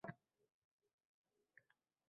Qolaversa, o'ylaganida nima ham qila olardi?